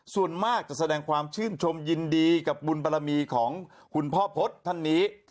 ส่วนมากจะแสดงความชื่นชมยินดีกับบุญบารมีของคุณพ่อพจน์ท่านนี้